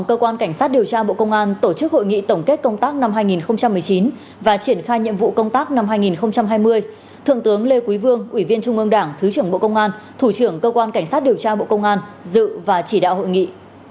cơ quan cảnh sát điều tra bộ công an tổ chức hội nghị tổng kết công tác năm hai nghìn một mươi chín và triển khai nhiệm vụ công tác năm hai nghìn hai mươi thượng tướng lê quý vương ủy viên trung ương đảng thứ trưởng bộ công an thủ trưởng cơ quan cảnh sát điều tra bộ công an dự và chỉ đạo hội nghị